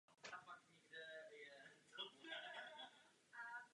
Zasedal zde až do své smrti.